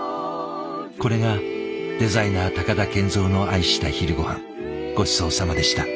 これがデザイナー高田賢三の愛した昼ごはんごちそうさまでした。